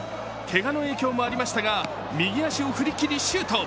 けがの影響もありましたが右足を振りきりシュート。